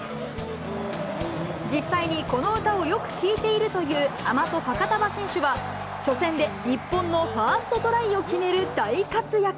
実際にこの歌をよく聴いているという、アマト・ファカタヴァ選手は、初戦で日本のファーストトライを決める大活躍。